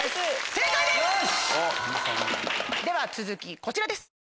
続きこちらです。